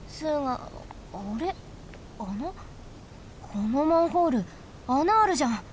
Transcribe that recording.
このマンホール穴あるじゃん。